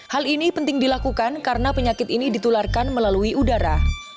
hal ini penting dilakukan karena penyakit ini ditularkan melalui udara